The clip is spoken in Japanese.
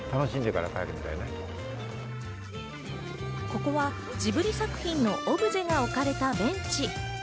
ここはジブリ作品のオブジェが置かれたベンチ。